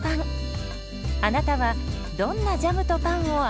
あなたはどんなジャムとパンを合わせますか？